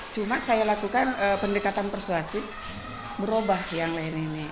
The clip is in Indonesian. cuma saya lakukan pendekatan persuasi merubah yang lain ini